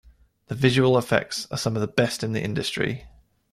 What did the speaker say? The visual effects are some of the best in the industry.